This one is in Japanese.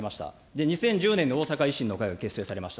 ２０１０年におおさか維新の会が結成されました。